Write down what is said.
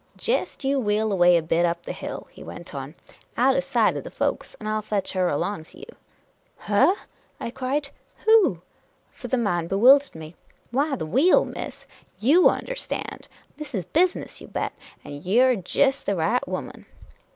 " Jest you wheel away a bit up the hill," he went on, " out o' sight of the folks, and I '11 fetch her along to you." *' Her ?" I cried. " Who ?" for the man bewildered me. " Why, the wheel, miss ! Vott understand ! This is busi ness, you bet ! And you 're jest the right woman